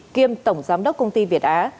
kiêm tổng giám đốc công ty việt á